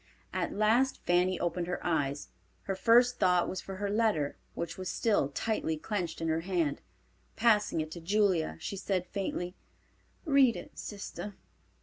At last Fanny opened her eyes. Her first thought was for her letter, which was still tightly clenched in her hand. Passing it to Julia she said, faintly, "Read it, sister."